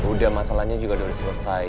udah masalahnya juga udah selesai